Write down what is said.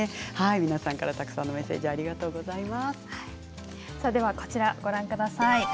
皆さんから、たくさんのメッセージこちらをご覧ください。